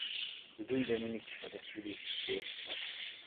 د دوی د مینې کیسه د هیلې په څېر تلله.